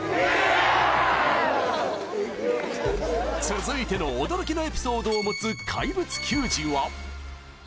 続いての驚きのエピソードを持つ怪物球児は。